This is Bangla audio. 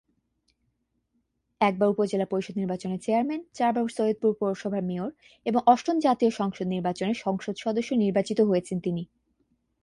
একবার উপজেলা পরিষদ নির্বাচনে চেয়ারম্যান, চারবার সৈয়দপুর পৌরসভার মেয়র এবং অষ্টম জাতীয় সংসদ নির্বাচনে সংসদ সদস্য নির্বাচিত হয়েছেন তিনি।